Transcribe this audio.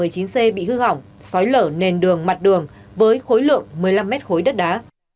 một mươi chín c bị hư hỏng xói lở nền đường mặt đường với khối lượng một mươi năm mét khối đất đá